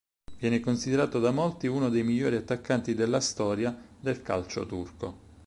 Viene considerato da molti uno dei migliori attaccanti della storia del calcio turco.